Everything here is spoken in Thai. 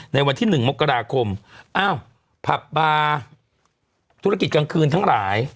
ในวันที่๑มกราคมภับบาทิวละกิจกลางคืนทั้งหลาย